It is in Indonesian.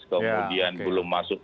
kemudian belum masuk